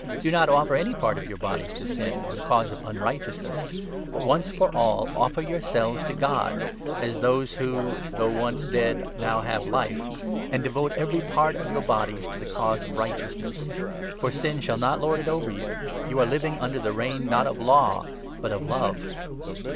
Do not offer any part of 13 your bodies to Sin, in the cause of unrighteousness, but once for all offer yourselves to God (as those who, though once dead, now have Life), and devote every part of your bodies to the cause of righteousness. For Sin shall not lord it over 14 you. You are living under the reign, not of Law, but of Love.